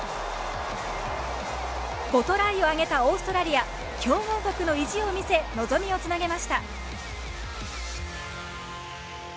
５トライを挙げたオーストラリア強豪国の意地を見せ望みをつなげました。